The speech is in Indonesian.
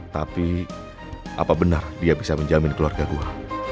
tapi apa benar dia bisa menjamin keluarga gue